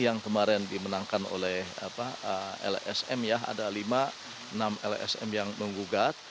yang kemarin dimenangkan oleh lsm ya ada lima enam lsm yang menggugat